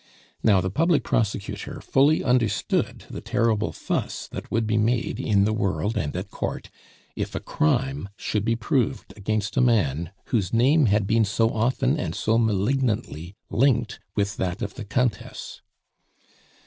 Now the public prosecutor fully understood the terrible fuss that would be made in the world and at court if a crime should be proved against a man whose name had been so often and so malignantly linked with that of the Countess.